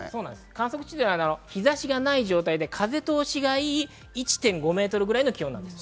観測地点は日差しがない状態で、風通しがいい、１．５メートルぐらいの気温です。